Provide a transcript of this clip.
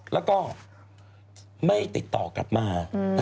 แล้วก็ไม่ติดต่อกลับมา